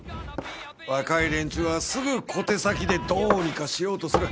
若い連中はすぐ小手先でどうにかしようとする。